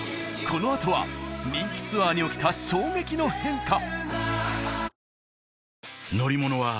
このあとは人気ツアーに起きた衝撃の変化！